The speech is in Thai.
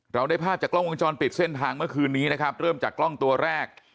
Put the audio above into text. ได้ภาพจากกล้องวงจรปิดเส้นทางเมื่อคืนนี้นะครับเริ่มจากกล้องตัวแรก